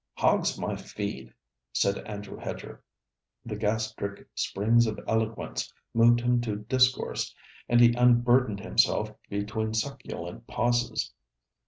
'Hog's my feed,' said Andrew Hedger. The gastric springs of eloquence moved him to discourse, and he unburdened himself between succulent pauses.